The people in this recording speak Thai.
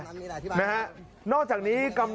นอกจากนี้กำนันนกฮเนี่ยนะครับนะฮะเข้ามอบตรงก็เขียนจดหมาย